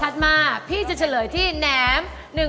ถัดมาพี่จะเฉลยที่แน้ม